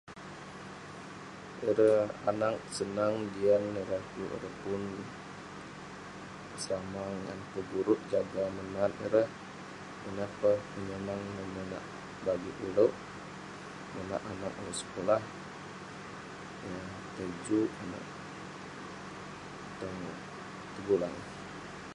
Ireh anag senang, jian ireh. Kuk ireh asrama ngan pun guruk jaga menat ireh. Ineh peh penyonang neh monak- bagik ulouk monak anag ulouk sekulah yah juk tong Tegulang.